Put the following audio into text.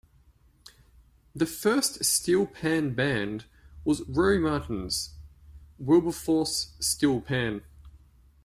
The first steelpan band was Roy Martin's Wilberforce Steel Pan.